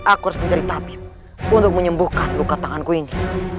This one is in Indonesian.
aku harus mencari tapi untuk menyembuhkan luka tanganku ini